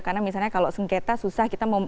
karena misalnya kalau sengketa susah kita mau